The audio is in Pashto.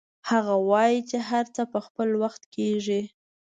هغه وایي چې هر څه په خپل وخت کیږي